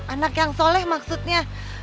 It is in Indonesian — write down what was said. anak yang soleh maksudnya